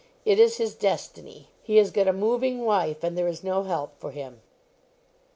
It is his destiny; he has got a moving wife, and there is no help for him.